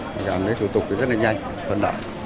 tôi cảm thấy thủ tục rất là nhanh tuần đẳng